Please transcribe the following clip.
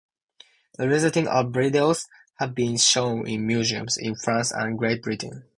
The resulting art videos have been shown in museums in France and Great Britain.